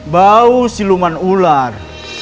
bau siluman ular